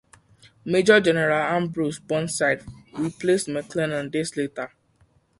Major General Ambrose Burnside replaced McClellan days later.